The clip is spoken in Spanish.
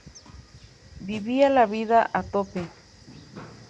Vivía la vida a tope